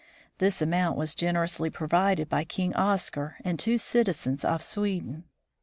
This amount was generously provided by King Oscar and two citizens of Sweden.